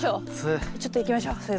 ちょっといきましょう水分。